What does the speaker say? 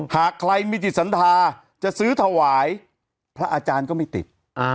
หากใครมีจิตศรัทธาจะซื้อถวายพระอาจารย์ก็ไม่ติด